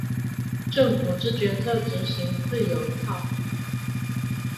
政府之決策執行自有一套